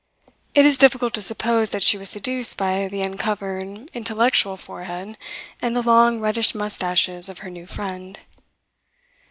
It is difficult to suppose that she was seduced by the uncovered intellectual forehead and the long reddish moustaches of her new friend.